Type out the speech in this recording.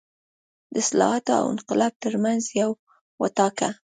د اصلاحاتو او انقلاب ترمنځ یو وټاکه.